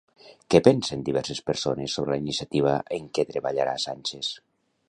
Què pensen diverses persones sobre la iniciativa en què treballarà Sànchez?